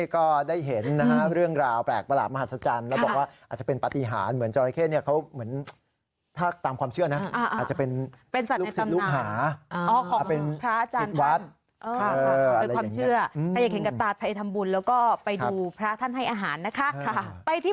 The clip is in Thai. คืองับปลายไม้ไผ่เหมือนกับปอลได้เลยอย่างนี้